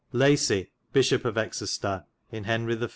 Lacy, Bysshope of Excestar in Henry the 5.